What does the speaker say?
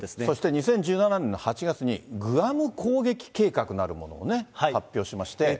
そして２０１７年の８月に、グアム攻撃計画なるものを発表しまして。